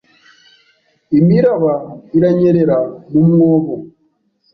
Imiraba iranyerera mu mwobo